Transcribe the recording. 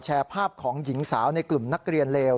แชร์ภาพของหญิงสาวในกลุ่มนักเรียนเลว